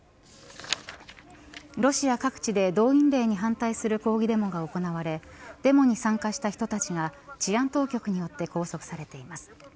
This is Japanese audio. ロシア各地で動員令に反対する抗議デモが行われデモに参加した人たちが治安当局によって拘束されています。